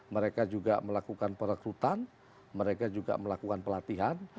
mereka juga melakukan perekrutan mereka juga melakukan pelatihan